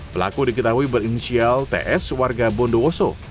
pelaku diketahui berinisial ts warga bondowoso